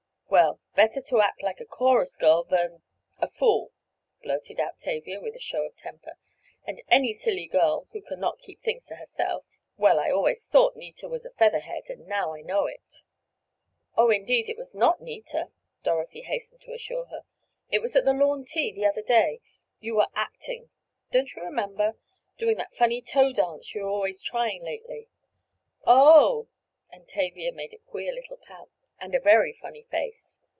Well, better to act like a chorus girl than—a fool!" blurted out Tavia with a show of temper. "And any silly girl, who can not keep things to herself—well, I always thought Nita was a featherhead and now I know it!" "Oh, indeed it was not Nita!" Dorothy hastened to assure her. "It was at the lawn tea the other day. You were 'acting'; don't you remember? Doing that funny toe dance you are always trying lately." "O o o o h!" and Tavia made a queer little pout, and a very funny face.